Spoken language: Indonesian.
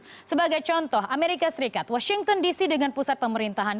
dan bisnis sebagai contoh amerika serikat washington dc dengan pusat pemerintahan